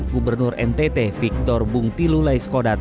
gubernur ntt victor bung tilu lai skodat